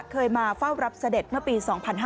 เคยมาเฝ้ารับเสด็จเมื่อปี๒๕๕๙